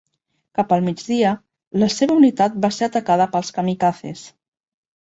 Cap al migdia, la seva unitat va ser atacada pels "kamikazes".